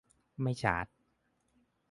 ไม่ชาร์จ